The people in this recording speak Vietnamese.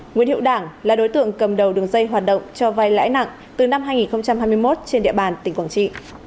nguyễn hiệu đảng là đối tượng cầm đầu đường dây hoạt động cho vai lãi nặng từ năm hai nghìn hai mươi một trên địa bàn tỉnh quảng trị